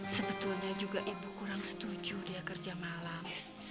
sebetulnya juga ibu kurang setuju dia kerja malam